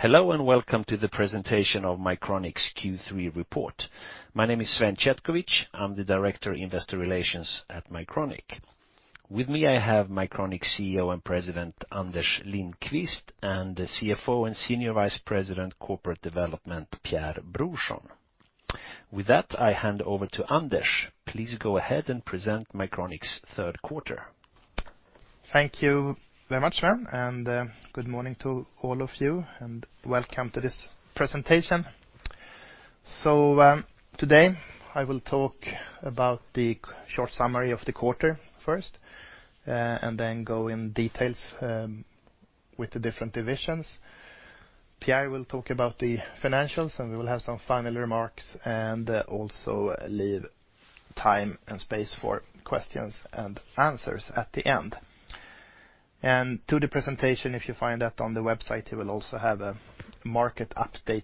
Hello and welcome to the presentation of Mycronic's Q3 report. My name is Sven Cetkovich. I'm the Director of Investor Relations at Mycronic. With me, I have Mycronic CEO and President Anders Lindqvist and CFO and Senior Vice President Corporate Development Pierre Brorsson. With that, I hand over to Anders. Please go ahead and present Mycronic's third quarter. Thank you very much, Sven, and good morning to all of you, and welcome to this presentation. So today I will talk about the short summary of the quarter first, and then go in details with the different divisions. Pierre will talk about the financials, and we will have some final remarks, and also leave time and space for questions and answers at the end. And to the presentation, if you find that on the website, you will also have a market update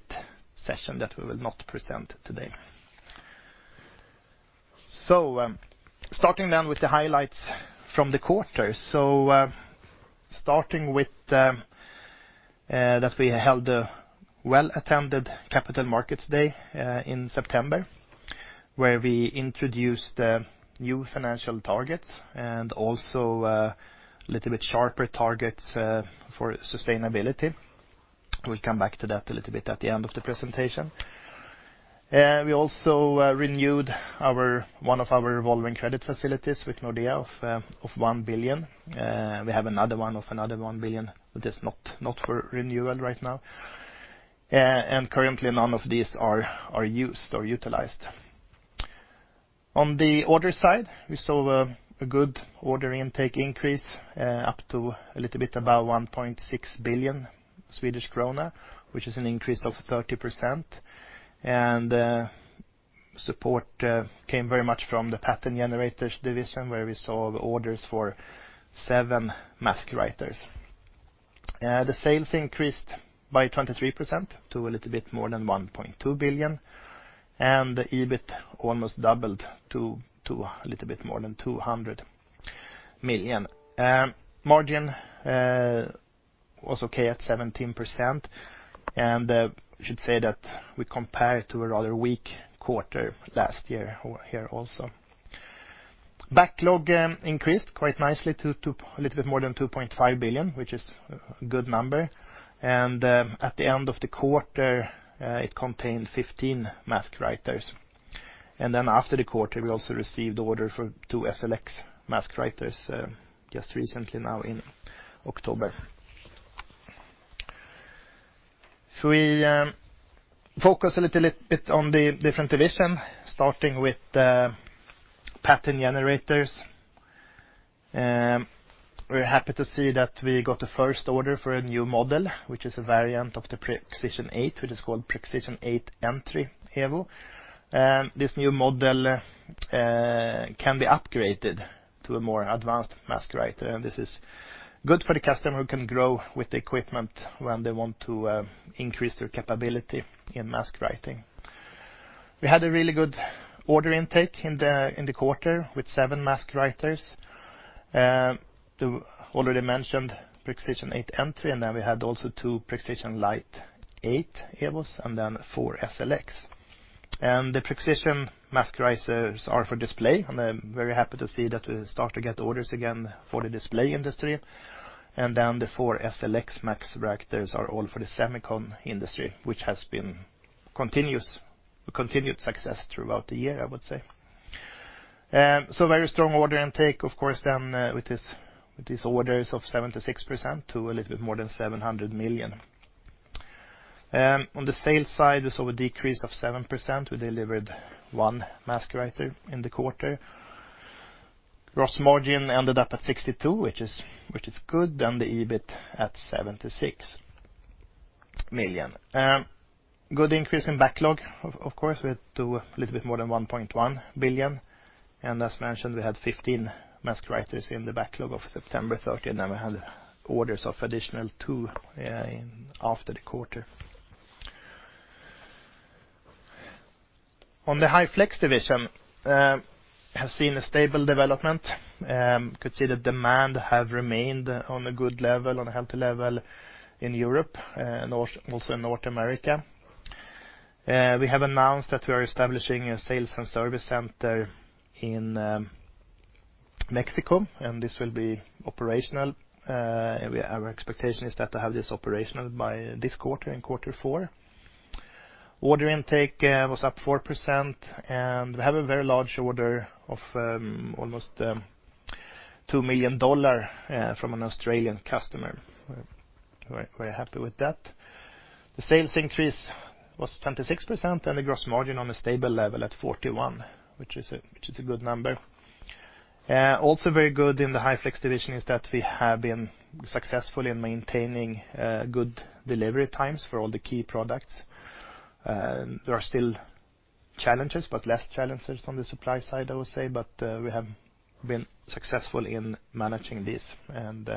session that we will not present today. So starting then with the highlights from the quarter. So starting with that we held a well-attended Capital Markets Day in September, where we introduced new financial targets and also a little bit sharper targets for sustainability. We'll come back to that a little bit at the end of the presentation. We also renewed one of our revolving credit facilities with Nordea of 1 billion. We have another one of another 1 billion that is not for renewal right now. And currently, none of these are used or utilized. On the order side, we saw a good order intake increase up to a little bit about 1.6 billion Swedish krona, which is an increase of 30%. And support came very much from the Pattern Generators division, where we saw orders for seven mask writers. The sales increased by 23% to a little bit more than 1.2 billion, and the EBIT almost doubled to a little bit more than 200 million. Margin was okay at 17%, and I should say that we compare to a rather weak quarter last year here also. Backlog increased quite nicely to a little bit more than 2.5 billion, which is a good number. And at the end of the quarter, it contained 15 mask writers. And then after the quarter, we also received orders for two SLX mask writers just recently now in October. So we focus a little bit on the different division, starting with Pattern Generators. We're happy to see that we got the first order for a new model, which is a variant of the Prexision 8000, which is called Prexision 8000 Entry Evo. This new model can be upgraded to a more advanced mask writer, and this is good for the customer who can grow with the equipment when they want to increase their capability in mask writing. We had a really good order intake in the quarter with seven mask writers. The already mentioned Prexision 8000 Entry, and then we had also two Prexision 8000 Lite Evo and then four SLX. And the Prexision mask writers are for display, and I'm very happy to see that we start to get orders again for the display industry. And then the four SLX mask writers are all for the semiconductor industry, which has been continued success throughout the year, I would say. So very strong order intake, of course, then with these orders of 76% to a little bit more than 700 million. On the sales side, we saw a decrease of 7%. We delivered one mask writer in the quarter. Gross margin ended up at 62%, which is good, and the EBIT at 76 million. Good increase in backlog, of course, with a little bit more than 1.1 billion. And as mentioned, we had 15 mask writers in the backlog of September 30, and then we had orders of additional two after the quarter. On the High Flex division, I have seen a stable development. You could see the demand has remained on a good level, on a healthy level in Europe and also in North America. We have announced that we are establishing a sales and service center in Mexico, and this will be operational. Our expectation is that to have this operational by this quarter in quarter four. Order intake was up 4%, and we have a very large order of almost $2 million from an Australian customer. We're very happy with that. The sales increase was 26%, and the gross margin on a stable level at 41%, which is a good number. Also very good in the High Flex division is that we have been successful in maintaining good delivery times for all the key products. There are still challenges, but less challenges on the supply side, I would say, but we have been successful in managing these and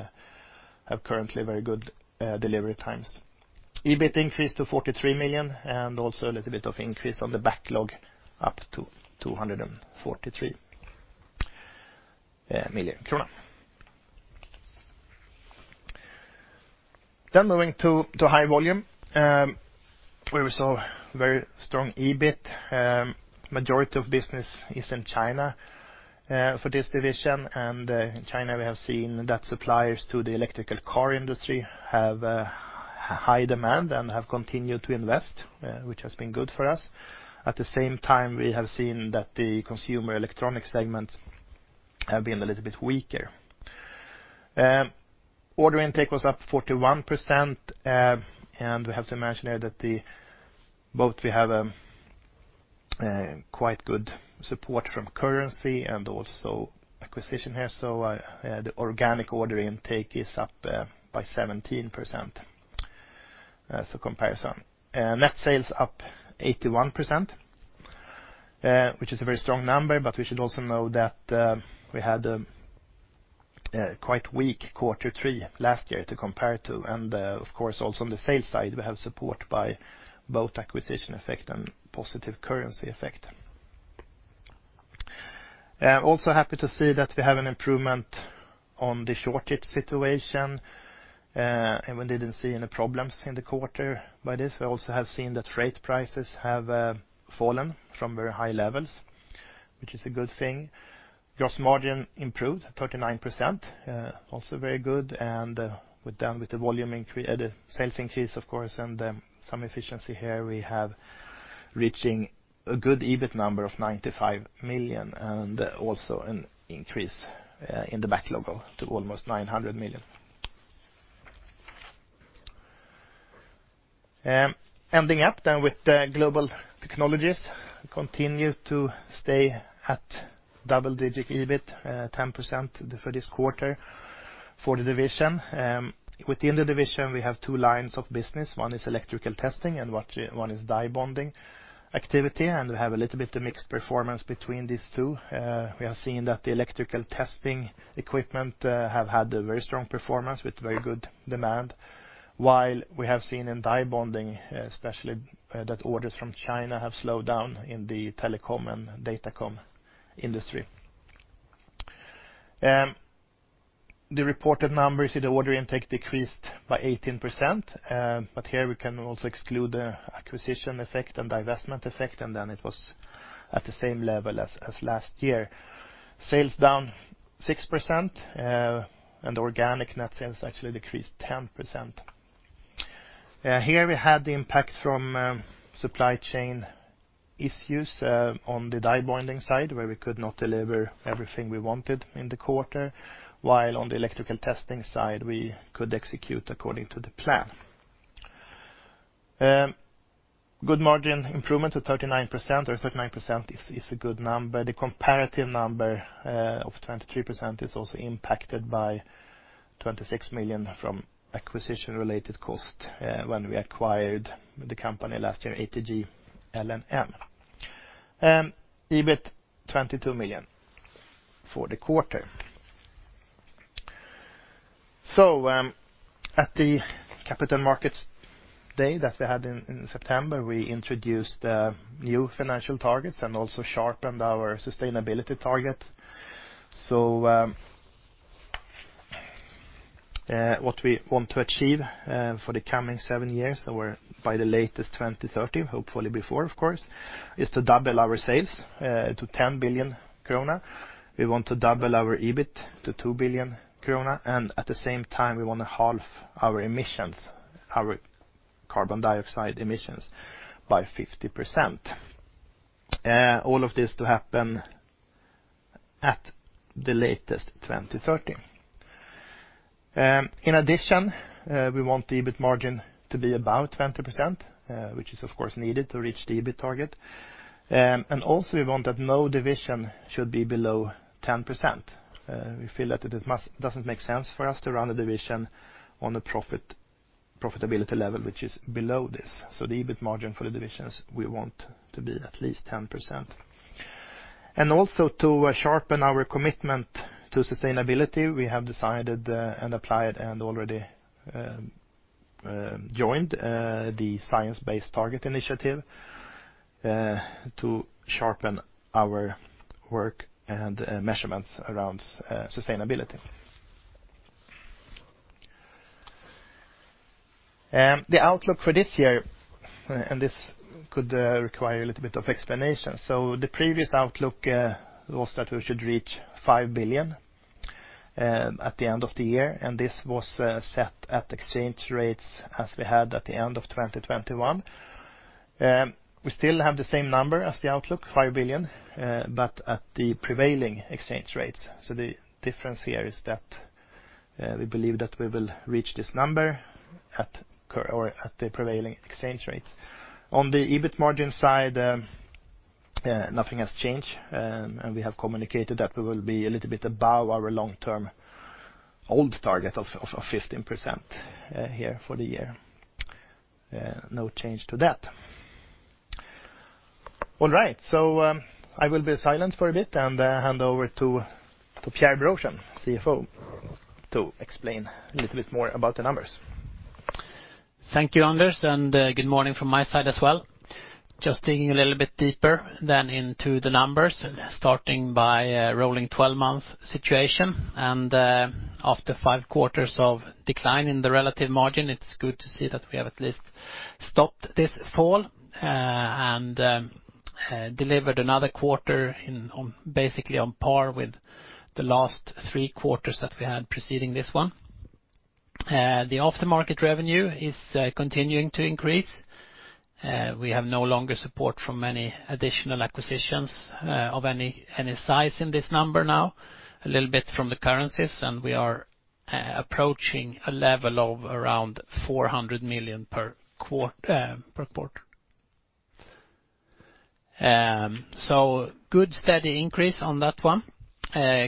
have currently very good delivery times. EBIT increased to 43 million and also a little bit of increase on the backlog up to 243 million krona. Then moving to High Volume, we saw very strong EBIT. The majority of business is in China for this division, and in China, we have seen that suppliers to the electrical car industry have high demand and have continued to invest, which has been good for us. At the same time, we have seen that the consumer electronics segment has been a little bit weaker. Order intake was up 41%, and we have to mention here that we have quite good support from currency and also acquisition here. So the organic order intake is up by 17% as a comparison. Net sales up 81%, which is a very strong number, but we should also know that we had a quite weak quarter three last year to compare to, and of course, also on the sales side, we have support by both acquisition effect and positive currency effect. Also happy to see that we have an improvement on the short-term situation. We didn't see any problems in the quarter by this. We also have seen that freight prices have fallen from very high levels, which is a good thing. Gross margin improved 39%, also very good, and then with the volume increase, the sales increase, of course, and some efficiency here, we have reaching a good EBIT number of 95 million and also an increase in the backlog to almost 900 million. Ending up then with Global Technologies, continue to stay at double-digit EBIT, 10% for this quarter for the division. Within the division, we have two lines of business. One is electrical testing and one is die bonding activity, and we have a little bit of mixed performance between these two. We have seen that the electrical testing equipment have had a very strong performance with very good demand, while we have seen in die bonding, especially, that orders from China have slowed down in the telecom and datacom industry. The reported numbers in the order intake decreased by 18%, but here we can also exclude the acquisition effect and divestment effect, and then it was at the same level as last year. Sales down 6%, and organic net sales actually decreased 10%. Here we had the impact from supply chain issues on the die bonding side, where we could not deliver everything we wanted in the quarter, while on the electrical testing side, we could execute according to the plan. Good margin improvement to 39%, or 39% is a good number. The comparative number of 23% is also impacted by 26 million from acquisition-related cost when we acquired the company last year, ATG L&M. EBIT 22 million for the quarter, so at the Capital Markets Day that we had in September, we introduced new financial targets and also sharpened our sustainability targets, so what we want to achieve for the coming seven years, or by the latest 2030, hopefully before, of course, is to double our sales to 10 billion krona. We want to double our EBIT to 2 billion krona, and at the same time, we want to halve our emissions, our carbon dioxide emissions by 50%. All of this to happen at the latest 2030. In addition, we want the EBIT margin to be about 20%, which is, of course, needed to reach the EBIT target, and also we want that no division should be below 10%. We feel that it doesn't make sense for us to run a division on a profitability level which is below this. So the EBIT margin for the divisions we want to be at least 10%, and also to sharpen our commitment to sustainability, we have decided and applied and already joined the Science-Based Targets initiative to sharpen our work and measurements around sustainability. The outlook for this year, and this could require a little bit of explanation. The previous outlook was that we should reach 5 billion at the end of the year, and this was set at exchange rates as we had at the end of 2021. We still have the same number as the outlook, 5 billion, but at the prevailing exchange rates. So the difference here is that we believe that we will reach this number at the prevailing exchange rates. On the EBIT margin side, nothing has changed, and we have communicated that we will be a little bit above our long-term old target of 15% here for the year. No change to that. All right, so I will be silent for a bit and hand over to Pierre Brorsson, CFO, to explain a little bit more about the numbers. Thank you, Anders, and good morning from my side as well. Just digging a little bit deeper, then, into the numbers, starting by rolling 12-month situation, and after five quarters of decline in the relative margin, it's good to see that we have at least stopped this fall and delivered another quarter basically on par with the last three quarters that we had preceding this one. The aftermarket revenue is continuing to increase. We have no longer support from any additional acquisitions of any size in this number, now a little bit from the currencies, and we are approaching a level of around 400 million per quarter, so good steady increase on that one,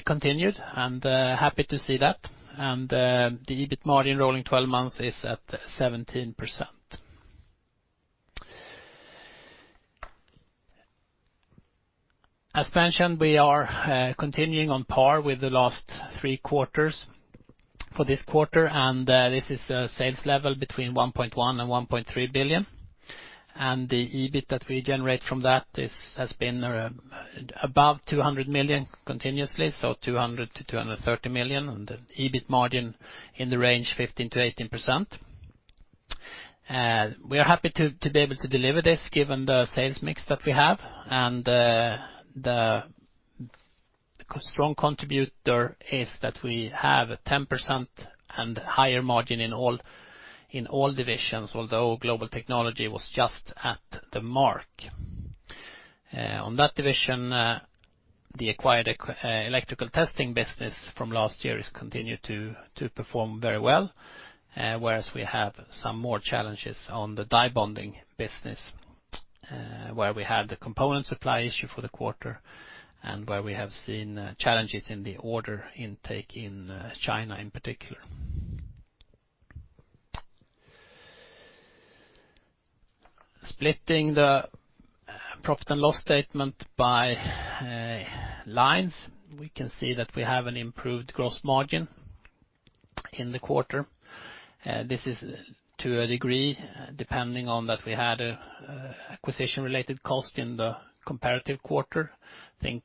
continued, and happy to see that, and the EBIT margin rolling 12 months is at 17%. As mentioned, we are continuing on par with the last three quarters for this quarter, and this is a sales level between 1.1 billion and 1.3 billion. And the EBIT that we generate from that has been above 200 million continuously, so 200-230 million, and the EBIT margin in the range 15%-18%. We are happy to be able to deliver this given the sales mix that we have, and the strong contributor is that we have a 10% and higher margin in all divisions, although Global Technologies was just at the mark. On that division, the acquired electrical testing business from last year has continued to perform very well, whereas we have some more challenges on the die bonding business, where we had the component supply issue for the quarter and where we have seen challenges in the order intake in China in particular. Splitting the profit and loss statement by lines, we can see that we have an improved gross margin in the quarter. This is to a degree depending on that we had an acquisition-related cost in the comparative quarter. I think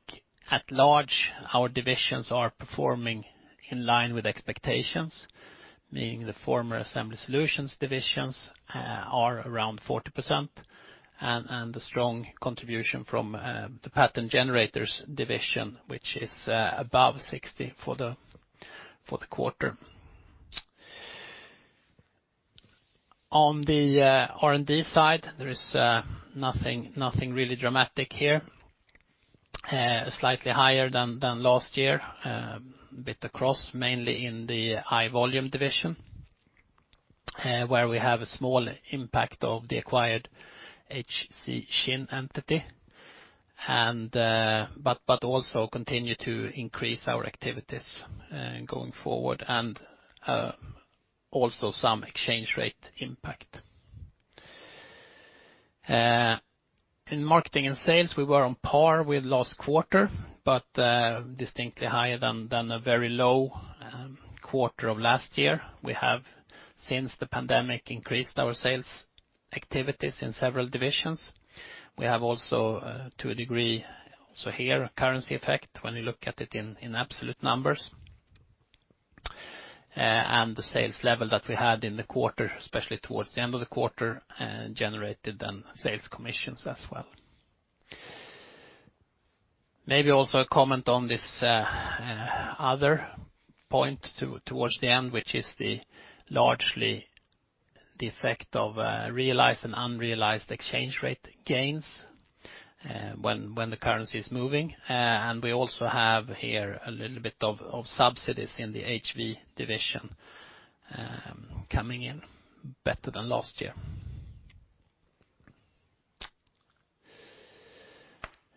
at large, our divisions are performing in line with expectations, meaning the former Assembly Solutions divisions are around 40% and the strong contribution from the Pattern Generators division, which is above 60% for the quarter. On the R&D side, there is nothing really dramatic here, slightly higher than last year, a bit across, mainly in the High Volume division, where we have a small impact of the acquired HCMT entity, but also continue to increase our activities going forward and also some exchange rate impact. In marketing and sales, we were on par with last quarter, but distinctly higher than a very low quarter of last year. We have, since the pandemic, increased our sales activities in several divisions. We have also to a degree also here a currency effect when you look at it in absolute numbers, and the sales level that we had in the quarter, especially towards the end of the quarter, generated then sales commissions as well. Maybe also a comment on this other point towards the end, which is largely the effect of realized and unrealized exchange rate gains when the currency is moving, and we also have here a little bit of subsidies in the HV division coming in better than last year.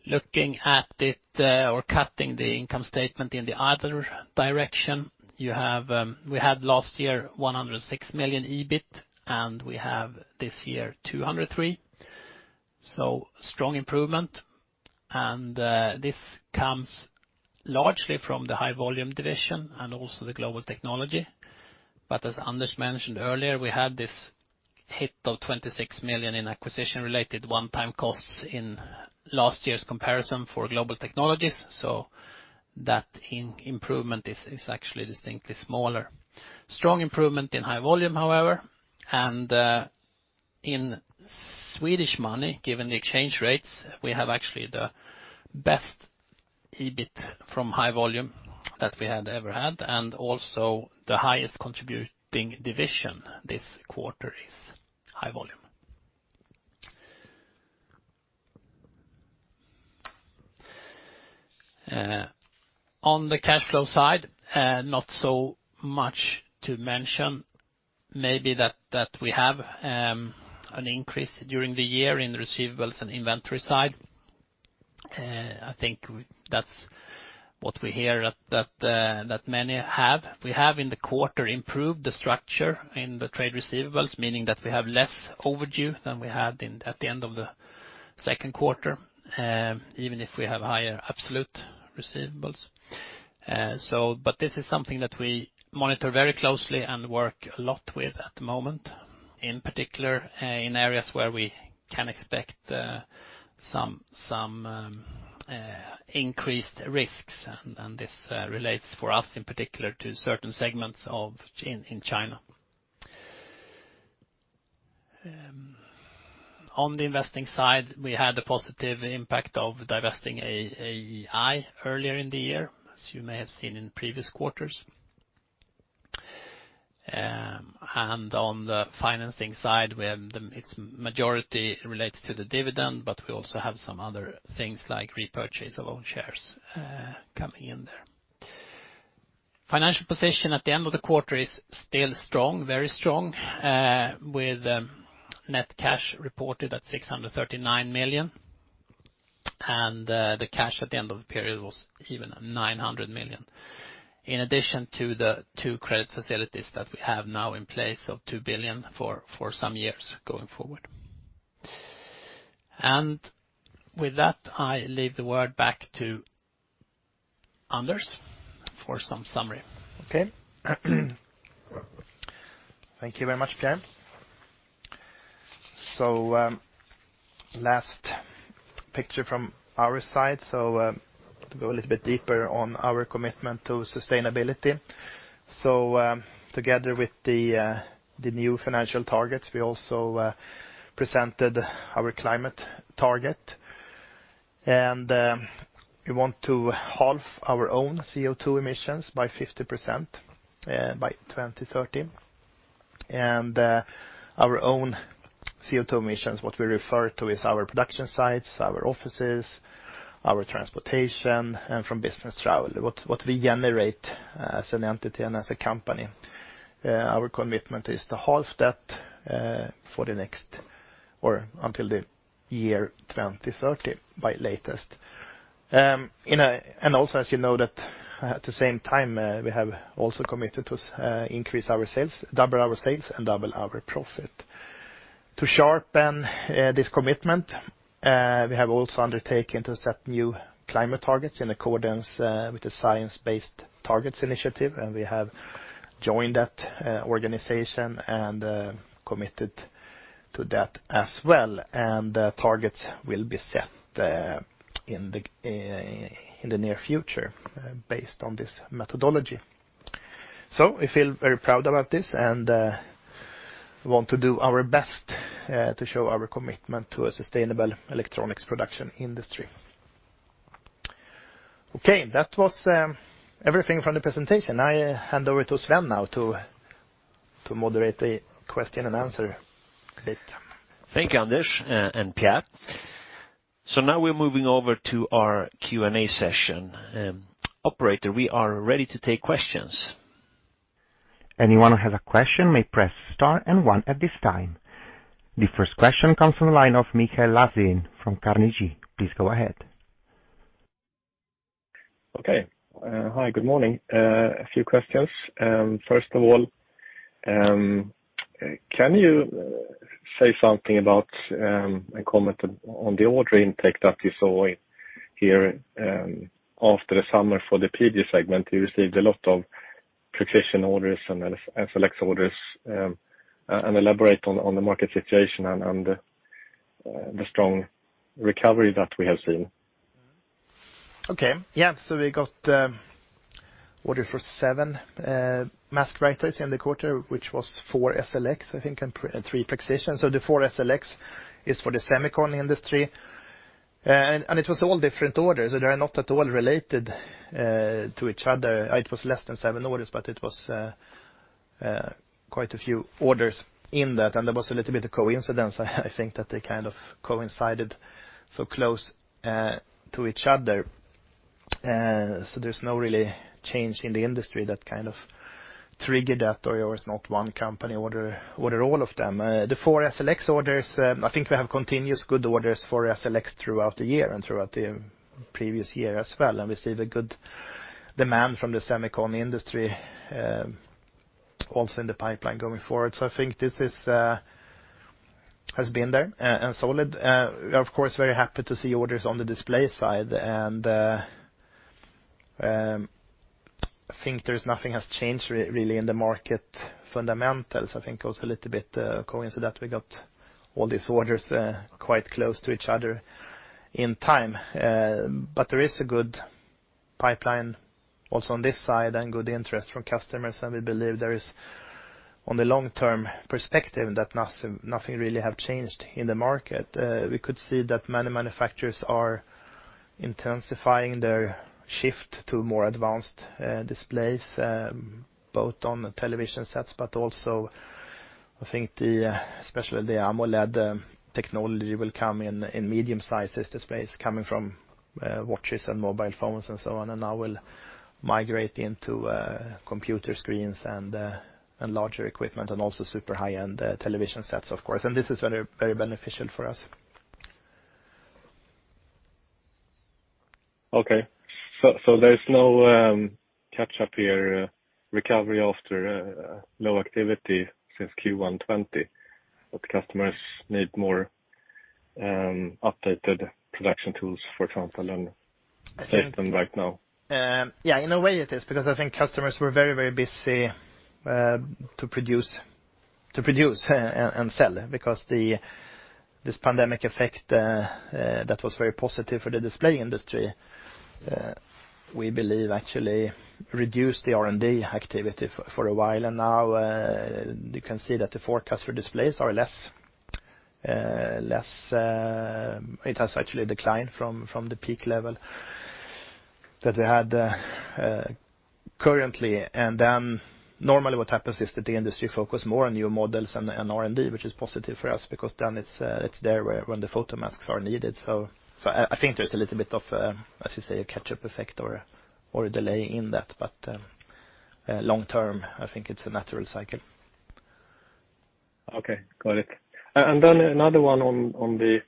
Looking at it or cutting the income statement in the other direction, we had last year 106 million EBIT, and we have this year 203 million. So strong improvement, and this comes largely from the High Volume division and also the Global Technologies. But as Anders mentioned earlier, we had this hit of 26 million in acquisition-related one-time costs in last year's comparison for Global Technologies. So that improvement is actually distinctly smaller. Strong improvement in High Volume, however. And in Swedish money, given the exchange rates, we have actually the best EBIT from High Volume that we had ever had, and also the highest contributing division this quarter is High Volume. On the cash flow side, not so much to mention, maybe that we have an increase during the year in the receivables and inventory side. I think that's what we hear that many have. We have in the quarter improved the structure in the trade receivables, meaning that we have less overdue than we had at the end of the second quarter, even if we have higher absolute receivables. but this is something that we monitor very closely and work a lot with at the moment, in particular in areas where we can expect some increased risks, and this relates for us in particular to certain segments in China. On the investing side, we had a positive impact of divesting AEi earlier in the year, as you may have seen in previous quarters. and on the financing side, its majority relates to the dividend, but we also have some other things like repurchase of own shares coming in there. Financial position at the end of the quarter is still strong, very strong, with net cash reported at 639 million, and the cash at the end of the period was even 900 million, in addition to the two credit facilities that we have now in place of 2 billion for some years going forward. And with that, I leave the word back to Anders for some summary. Okay? Thank you very much, Pierre. So last picture from our side, so to go a little bit deeper on our commitment to sustainability. So together with the new financial targets, we also presented our climate target, and we want to halve our own CO2 emissions by 50% by 2030. And our own CO2 emissions, what we refer to as our production sites, our offices, our transportation, and from business travel, what we generate as an entity and as a company. Our commitment is to halve that for the next or until the year 2030 by latest. And also, as you know, at the same time, we have also committed to increase our sales, double our sales, and double our profit. To sharpen this commitment, we have also undertaken to set new climate targets in accordance with the science-based targets initiative, and we have joined that organization and committed to that as well, and targets will be set in the near future based on this methodology, so we feel very proud about this and want to do our best to show our commitment to a sustainable electronics production industry. Okay, that was everything from the presentation. I hand over to Sven now to moderate the question and answer a bit. Thank you, Anders and Pierre, so now we're moving over to our Q&A session. Operator, we are ready to take questions. Anyone who has a question may press star and one at this time. The first question comes from the line of Mikael Laséen from Carnegie. Please go ahead. Okay. Hi, good morning. A few questions. First of all, can you say something about a comment on the order intake that you saw here after the summer for the previous segment? You received a lot of Prexision orders and SLX orders. And elaborate on the market situation and the strong recovery that we have seen. Okay. Yeah, so we got orders for seven mask writers in the quarter, which was four SLX, I think, and three Prexision. So the four SLX is for the semiconductor industry. And it was all different orders, so they are not at all related to each other. It was less than seven orders, but it was quite a few orders in that. And there was a little bit of coincidence, I think, that they kind of coincided so close to each other. So there's no real change in the industry that kind of triggered that, or it was not one company order all of them. The four SLX orders, I think we have continuous good orders for SLX throughout the year and throughout the previous year as well, and we see the good demand from the semiconductor industry also in the pipeline going forward, so I think this has been there and solid. We are, of course, very happy to see orders on the display side, and I think nothing has changed really in the market fundamentals. I think also a little bit coincidental that we got all these orders quite close to each other in time, but there is a good pipeline also on this side and good interest from customers, and we believe there is, on the long-term perspective, that nothing really has changed in the market. We could see that many manufacturers are intensifying their shift to more advanced displays, both on television sets, but also, I think, especially the AMOLED technology will come in medium-sized displays coming from watches and mobile phones and so on, and now we'll migrate into computer screens and larger equipment and also super high-end television sets, of course, and this is very beneficial for us. Okay, so there's no catch-up here, recovery after low activity since Q120, but customers need more updated production tools, for example, than right now. Yeah, in a way it is because I think customers were very, very busy to produce and sell because this pandemic effect that was very positive for the display industry, we believe, actually reduced the R&D activity for a while, and now you can see that the forecast for displays are less. It has actually declined from the peak level that we had currently, and then normally what happens is that the industry focuses more on new models and R&D, which is positive for us because then it's there when the photomasks are needed, so I think there's a little bit of, as you say, a catch-up effect or a delay in that, but long-term, I think it's a natural cycle. Okay. Got it, and then another one on the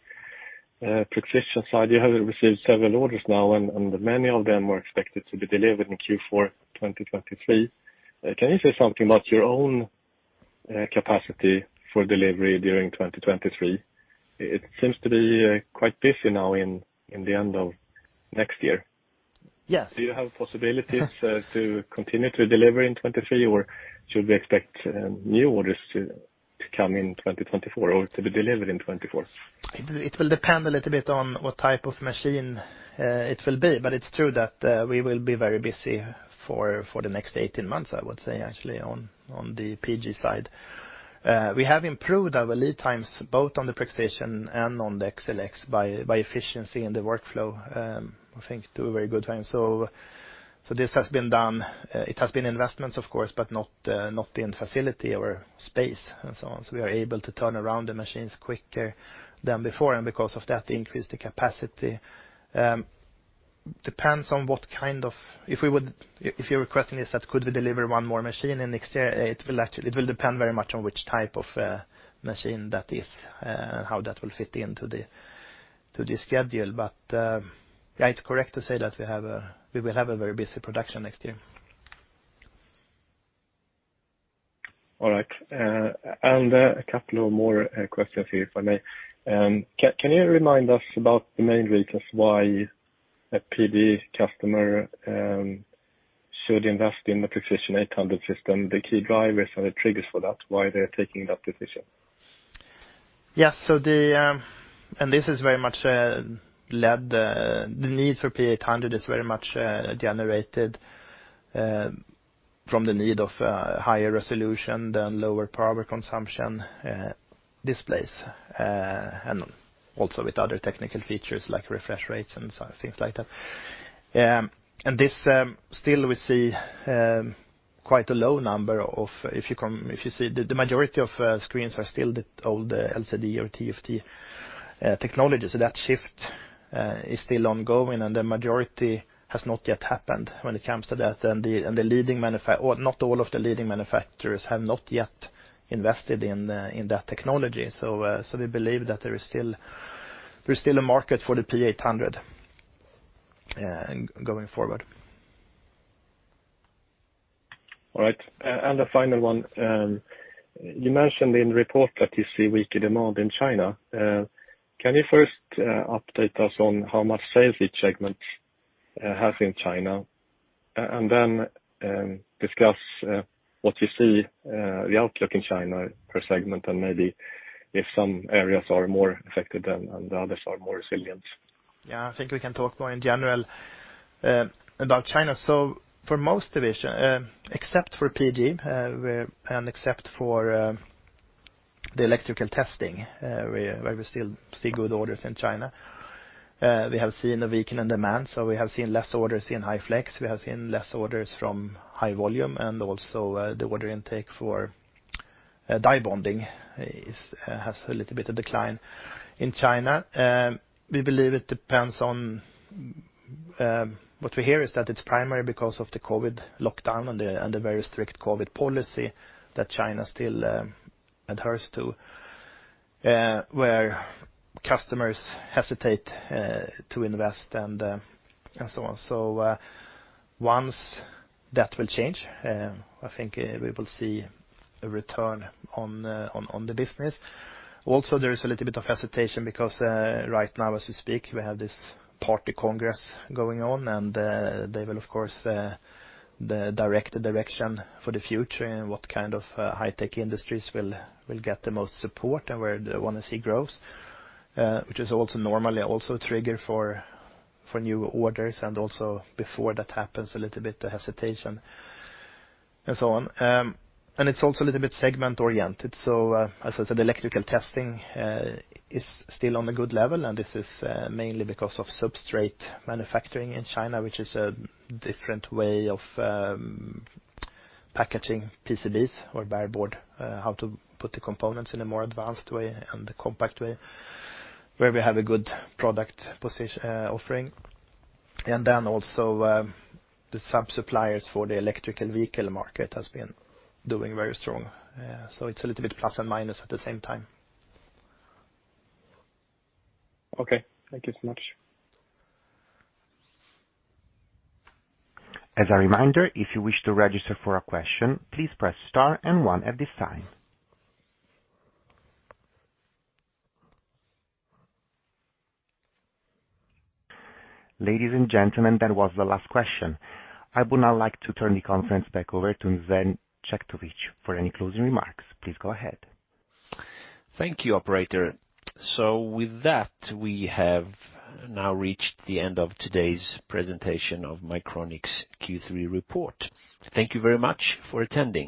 Prexision side. You have received several orders now, and many of them were expected to be delivered in Q4 2023. Can you say something about your own capacity for delivery during 2023? It seems to be quite busy now in the end of next year. Yes. Do you have possibilities to continue to deliver in 2023, or should we expect new orders to come in 2024 or to be delivered in 2024? It will depend a little bit on what type of machine it will be, but it's true that we will be very busy for the next 18 months, I would say, actually on the PG side. We have improved our lead times both on the Prexision and on the SLX by efficiency in the workflow. I think two very good times, so this has been done. It has been investments, of course, but not in facility or space and so on, so we are able to turn around the machines quicker than before, and because of that, increase the capacity. Depends on what kind of if you're requesting, is that could we deliver one more machine in next year? It will depend very much on which type of machine that is and how that will fit into the schedule. But yeah, it's correct to say that we will have a very busy production next year. All right. And a couple of more questions here for me. Can you remind us about the main reasons why a PD customer should invest in the Prexision 8000 system, the key drivers and the triggers for that, why they're taking that decision? Yes. And this is very much led the need for P8000 is very much generated from the need of higher resolution than lower power consumption displays, and also with other technical features like refresh rates and things like that. And still, we see quite a low number of if you see, the majority of screens are still the old LCD or TFT technology. So that shift is still ongoing, and the majority has not yet happened when it comes to that. Not all of the leading manufacturers have not yet invested in that technology. So we believe that there is still a market for the P8000 going forward. All right. And the final one. You mentioned in the report that you see weaker demand in China. Can you first update us on how much sales each segment has in China? And then discuss what you see, the outlook in China per segment, and maybe if some areas are more affected and others are more resilient. Yeah, I think we can talk more in general about China. So for most division, except for PG and except for the electrical testing, we still see good orders in China. We have seen a weakening demand, so we have seen less orders in High Flex. We have seen less orders from High Volume, and also the order intake for die bonding has a little bit of decline in China. We believe it depends on what we hear is that it's primarily because of the COVID lockdown and the very strict COVID policy that China still adheres to, where customers hesitate to invest and so on, so once that will change, I think we will see a return on the business, also there is a little bit of hesitation because right now, as we speak, we have this Party Congress going on, and they will, of course, direct the direction for the future and what kind of high-tech industries will get the most support and where they want to see growth, which is also normally also a trigger for new orders, and also before that happens, a little bit of hesitation and so on. And it's also a little bit segment-oriented. So, as I said, electrical testing is still on a good level, and this is mainly because of substrate manufacturing in China, which is a different way of packaging PCBs or bareboard, how to put the components in a more advanced way and compact way, where we have a good product offering. And then also the sub-suppliers for the electrical vehicle market have been doing very strong. So it's a little bit plus and minus at the same time. Okay. Thank you so much. As a reminder, if you wish to register for a question, please press star and one at this time. Ladies and gentlemen, that was the last question. I would now like to turn the conference back over to Sven Chetkovich for any closing remarks. Please go ahead. Thank you, Operator. So with that, we have now reached the end of today's presentation of Mycronic's Q3 report. Thank you very much for attending.